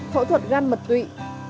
phẫu thuật gan mật tụy